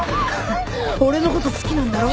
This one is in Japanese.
俺のこと好きなんだろ？